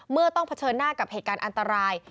เมื่อต้องเผชิญหน้ากับเหตุการณ์อันตราย